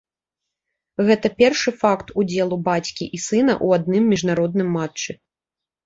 Гэта першы факт удзелу бацькі і сына ў адным міжнародным матчы.